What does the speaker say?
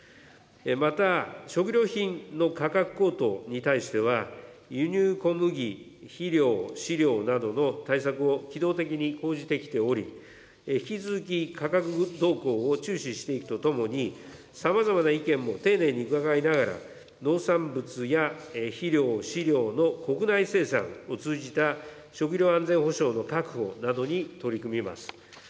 また、食料品の価格高騰に対しては、輸入小麦、肥料、飼料などの対策を機動的に講じてきており、引き続き価格動向を注視していくとともに、さまざまな意見も丁寧に伺いながら、農産物や肥料、飼料の国内生産を通じた食料安全保障の確保などに取り組みます。